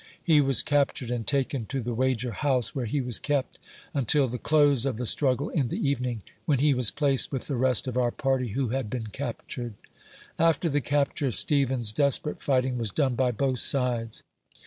He was captured, and taken to the Wager House, where he was kept until the close of the struggle in the eve ning, when he was placed with the rest of our party who had been captured. After the capture of Stevens, desperate fighting was done by both sides.